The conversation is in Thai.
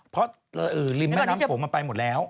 เพราะริมแม่น้ำโขงมันไปหมดแล้ว